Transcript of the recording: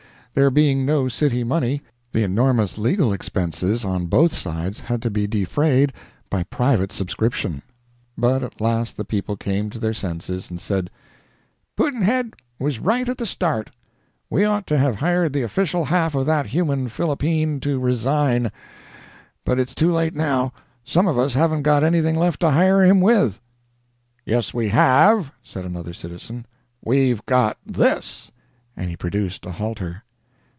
There being no city money, the enormous legal expenses on both sides had to be defrayed by private subscription. But at last the people came to their senses, and said: "Pudd'nhead was right at the start we ought to have hired the official half of that human phillipene to resign; but it's too late now; some of us haven't got anything left to hire him with." "Yes, we have," said another citizen, "we've got this" and he produced a halter.